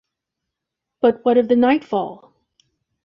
But what of the nightfall?